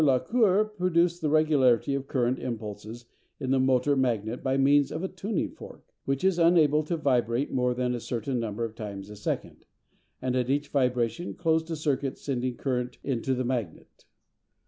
la Cour produced the regularity of current impulses in the motor magnet by means of a tuning fork, which is unable to vibrate more than a certain number of times a second, and at each vibration closed a circuit sending current into the magnet.